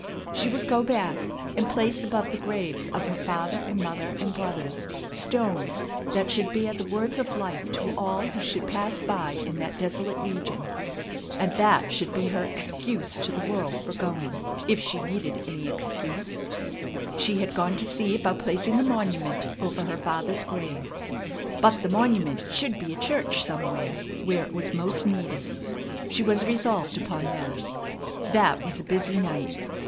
She would go back and place above the graves of her father and mother and brothers stones that should bear the words of life to all who should pass by in that desolate region. And that should be her excuse to the world for going, if she needed any excuse she had gone to see about placing a monument over her father's grave. But the monument should be a church somewhere where it was most needed. She was resolved upon that. That was a busy night.